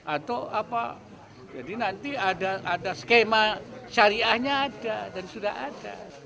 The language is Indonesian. atau apa jadi nanti ada skema syariahnya ada dan sudah ada